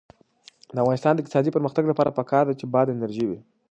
د افغانستان د اقتصادي پرمختګ لپاره پکار ده چې باد انرژي وي.